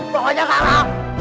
pokoknya ga mau